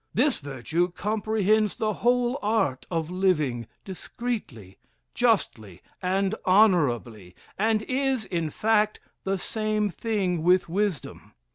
This virtue comprehends the whole art of living discreetly, justly, and honorably, and is, in fact, the same thing with wisdom.